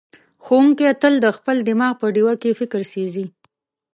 ښوونکی تل د خپل دماغ په ډیوه کې فکر سېځي.